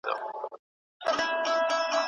بېننګي به څه ملالې سترګې ډنډ کړي